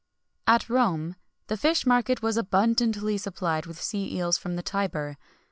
[XXI 70] At Rome the fish market was abundantly supplied with sea eels from the Tiber.